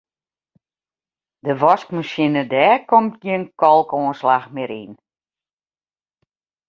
De waskmasine dêr komt gjin kalkoanslach mear yn.